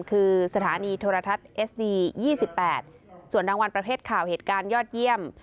คือสถานีโทรทัศน์เอสดี๒๘ส่วนรางวัลประเภทข่าวเหตุการณ์ยอดเยี่ยม